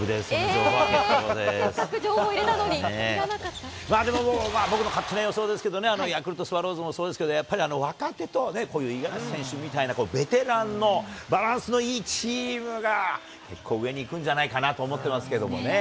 せっかく情報入れたのに、でも僕の勝手な予想ですけど、ヤクルトスワローズもそうですけど、やっぱり若手と、こういう五十嵐選手みたいなベテランのバランスのいいチームが結構上にいくんじゃないかと思ってますけど。